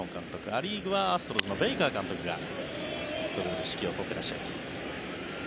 ア・リーグはアストロズのベイカー監督がそれぞれ指揮を執ってらっしゃいます。